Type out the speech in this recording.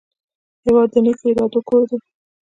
هېواد د نیکو ارادو کور دی.